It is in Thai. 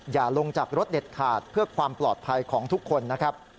อย่าลงจากรถเด็ดขาดเพื่อความปลอดภัยของทุกคนนะครับ